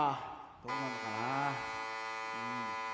どうなのかな。